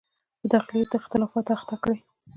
په داخلي اختلافاتو اخته کړي.